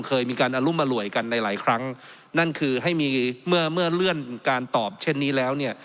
เคยมีการอรุมอร่วยกันในหลายครั้งนั่นคือให้มีเมื่อเมื่อเลื่อนการตอบเช่นนี้แล้วเนี่ย